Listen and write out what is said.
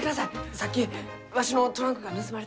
さっきわしのトランクが盗まれたがじゃ。